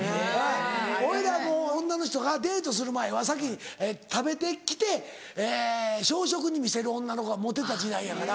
俺らもう女の人がデートする前は先に食べて来て小食に見せる女の子がモテた時代やから。